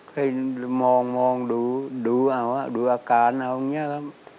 เคยมองดูเอาดูอาการเอาอย่างนี้ครับ